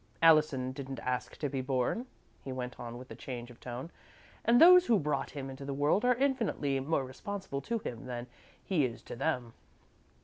Allison didn't ask to be born," he went on, with a change of tone, "and those who brought him into the world are infinitely more responsible to him than he is to them."